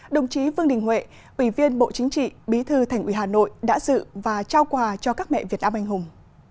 đồng chí vương đình huệ ủy viên bộ chính trị bí thư thành ủy hà nội đã dự và trao quà cho các mẹ việt nam anh hùng